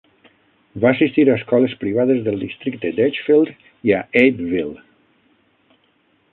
Va assistir a escoles privades del districte d'Edgefield i a Abbeville.